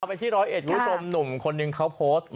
กลับไปที่ร้อยเอชวุ้ยสมหนุ่มคนหนึ่งเขาโพสต์